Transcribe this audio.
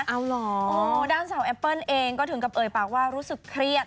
เอาเหรอด้านสาวแอปเปิ้ลเองก็ถึงกับเอ่ยปากว่ารู้สึกเครียด